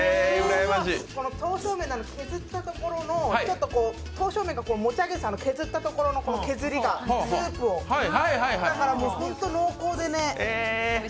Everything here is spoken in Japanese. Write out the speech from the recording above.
刀削麺の削ったところの、刀削麺が持ち上がっているところ、スープを、だから本当濃厚でね。